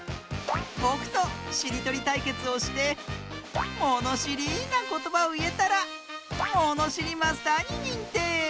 ぼくとしりとりたいけつをしてものしりなことばをいえたらものしりマスターににんてい！